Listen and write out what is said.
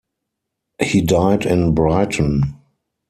He died in Brighton.